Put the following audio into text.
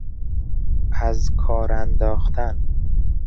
ازکارانداختن